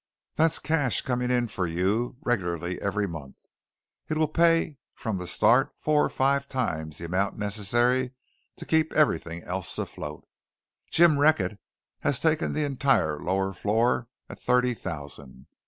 That's cash coming in for you regularly every month. It will pay from the start four or five times the amount necessary to keep everything else afloat. Jim Reckett has taken the entire lower floor at thirty thousand.